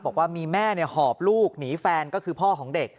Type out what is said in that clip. บอกว่ามีแม่หอบลูกหนีแฟนก็คือพ่อของเด็ก